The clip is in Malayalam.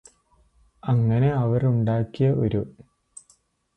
അങ്ങനെ അവര് ഉണ്ടാക്കിയ ഒരു